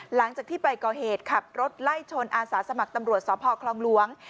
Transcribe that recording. หลังจากที่ไปก่อเหตุขับรถไล่ชนอาสาสมัครตำรวจสพคลองหลวง